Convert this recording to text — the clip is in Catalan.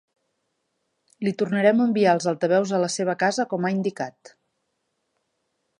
Li tornarem a enviar els altaveus a la seva casa com ha indicat.